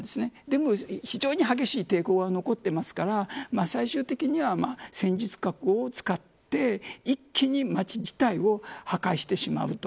でも、非常に激しい抵抗が残っていますから最終的には戦術核を使って一気に町自体を破壊してしまう。